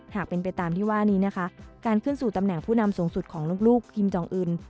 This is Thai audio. หากเป็นไปตามที่ว่านี้นะคะการขึ้นสู่ตำแหน่งผู้นำสูงสุดของลูกฮิมจองอื่น